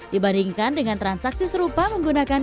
dibandingkan dengan kris yang diperlukan untuk mengembangkan fitur ini